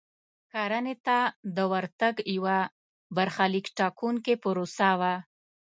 کرنې ته د ورتګ یوه برخلیک ټاکونکې پروسه وه.